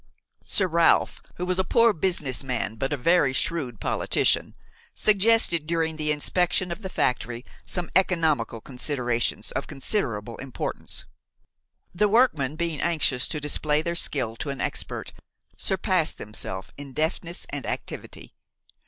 Sir Ralph, who was a poor business man but a very shrewd politician, suggested during the inspection of the factory some economical considerations of considerable importance. The workmen, being anxious to display their skill to an expert, surpassed themselves in deftness and activity.